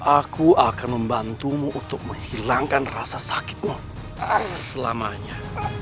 aku akan membantumu untuk menghilangkan rasa sakitmu selamanya